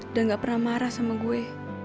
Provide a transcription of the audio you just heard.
dan gak pernah marah sama gue